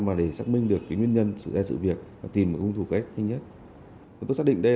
mà để xác minh được nguyên nhân sự ra sự việc và tìm công thủ cách nhanh nhất chúng tôi xác định đây